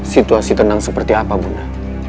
situasi tenang seperti apa bunda